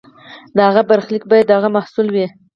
د هغه برخلیک باید د هغه محصول وي.